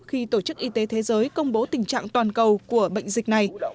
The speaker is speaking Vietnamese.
khi tổ chức y tế thế giới công bố tình trạng toàn cầu của bệnh dịch này